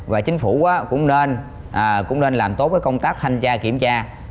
và chính phủ cũng nên làm tốt cái công tác thanh tra kiểm tra